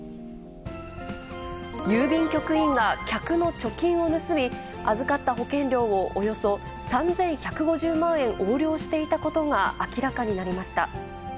郵便局員が客の貯金を盗み、預かった保険料をおよそ３１５０万円横領していたことが明らかになりました。